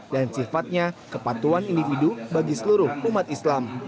dan sifatnya kepatuan individu bagi seluruh umat islam